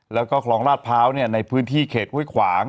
แล้วก็คลองราชพร้าวในพื้นที่เขตห้วยขวาง